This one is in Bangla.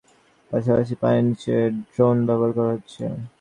এরই মধ্যে উদ্ধারকাজে ডুবুরির পাশাপাশি পানির নিচে ড্রোন ব্যবহার করা হচ্ছে।